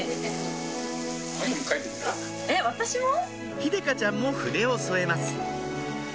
秀香ちゃんも筆を添えます